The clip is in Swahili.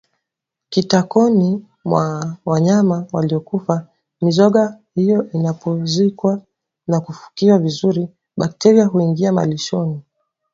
kitakoni mwa wanyama waliokufa Mizoga hiyo isipozikwa na kufukiwa vizuri bakteria huingia malishoni